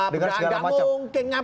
dengan segala macam